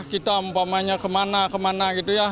kita umpamanya kemana kemana gitu ya